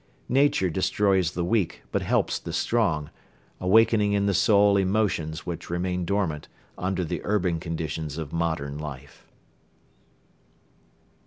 Nature destroys the weak but helps the strong, awakening in the soul emotions which remain dormant under the urban conditions of modern life.